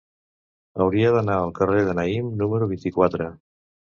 Hauria d'anar al carrer de Naïm número vint-i-quatre.